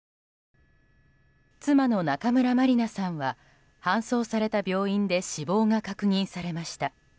妻の中村まりなさんは搬送された病院で死亡が確認されました。